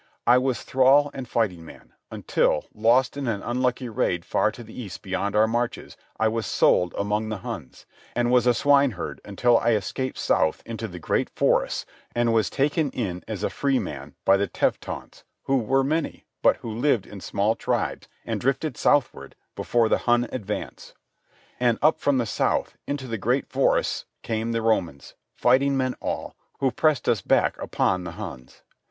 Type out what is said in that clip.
I was thrall and fighting man, until, lost in an unlucky raid far to the east beyond our marches, I was sold among the Huns, and was a swineherd until I escaped south into the great forests and was taken in as a freeman by the Teutons, who were many, but who lived in small tribes and drifted southward before the Hun advance. And up from the south into the great forests came the Romans, fighting men all, who pressed us back upon the Huns.